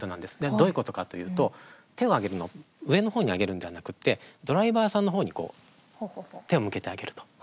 どういうことかというと手を上げるのを上のほうに上げるのではなくてドライバーさんのほうに手を向けて上げると。